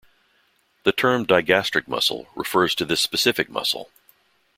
The term "digastric muscle" refers to this specific muscle.